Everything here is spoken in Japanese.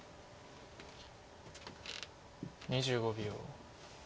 ２５秒。